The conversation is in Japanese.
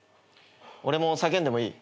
俺も叫んでもいい？